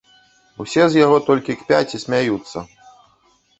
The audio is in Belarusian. Усе з яго толькі кпяць і смяюцца.